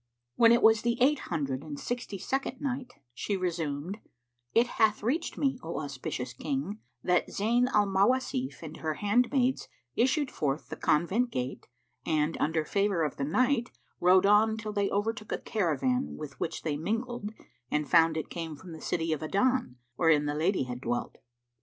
When it was the Eight Hundred and Sixty second Night, She resumed, It hath reached me, O auspicious King, that Zayn al Mawasif and her handmaids issued forth the convent gate and, under favour of the night, rode on till they overtook a caravan, with which they mingled and found it came from the city of 'Adan wherein the lady had dwelt.